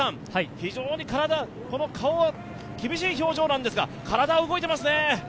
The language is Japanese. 非常に顔は厳しい表情なんですが、体は動いてますね。